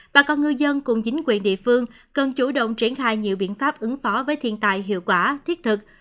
bà con ngư dân cùng chính quyền địa phương cần chủ động triển khai nhiều biện pháp ứng phó với thiên tài hiệu quả thiết thực